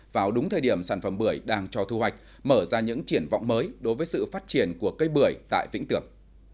vào đúng thời điểm sản phẩm bưởi đang cho thu hoạch mở ra những triển vọng mới đối với sự phát triển của cây bưởi tại vĩnh tường